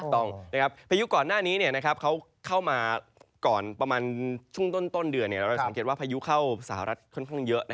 ถูกต้องนะครับพายุก่อนหน้านี้เขาเข้ามาก่อนประมาณช่วงต้นเดือนเราจะสังเกตว่าพายุเข้าสหรัฐค่อนข้างเยอะ